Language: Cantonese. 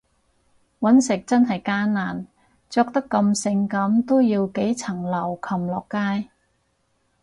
搵食真係艱難，着得咁性感都要幾層樓擒落街